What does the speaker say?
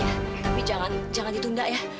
tapi jangan ditunda ya